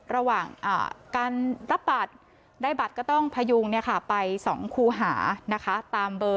ระหว่างการรับบัตรได้บัตรก็ต้องพยูงไป๒คูหา